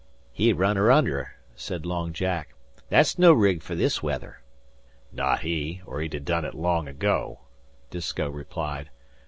"He'll run her under," said Long Jack. "That's no rig fer this weather." "Not he, 'r he'd'a done it long ago," Disko replied.